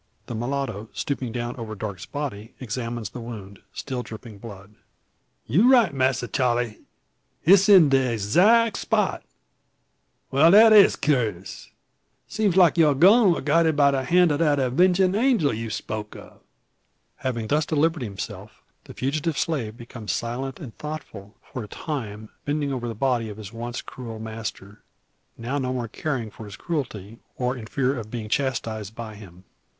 The mulatto, stooping down over Darke's body, examines the wound, still dripping blood. "You're right, Masser Charle; it's in de adzack spot. Well, that is curious. Seems like your gun war guided by de hand of that avengin' angel you spoke o'." Having thus delivered himself, the fugitive slave becomes silent and thoughtful, for a time, bending over the body of his once cruel master, now no more caring for his cruelty, or in fear of being chastised by him.